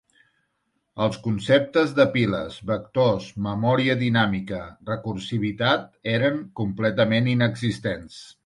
Els conceptes de piles, vectors, memòria dinàmica, recursivitat eren completament inexistents.